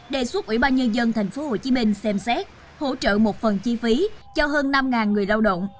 đề xuất ủy ban nhân dân tp hcm xem xét hỗ trợ một phần chi phí cho hơn năm người lao động